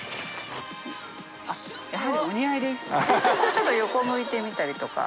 ちょっと横向いてみたりとか。